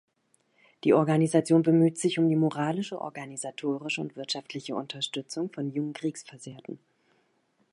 Die Organisation bemüht sich um die moralische, organisatorische und wirtschaftliche Unterstützung von jungen Kriegsversehrten.